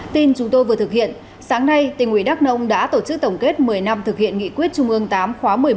tin chúng tôi vừa thực hiện sáng nay tỉnh ủy đắk nông đã tổ chức tổng kết một mươi năm thực hiện nghị quyết trung ương tám khóa một mươi một